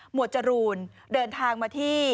วดจรูนเดินทางมาที่